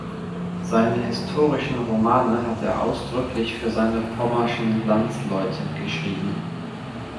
Seine historischen Romane hat er ausdrücklich für seine pommerschen Landsleute geschrieben.